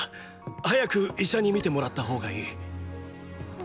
早く医者に診てもらった方がいい。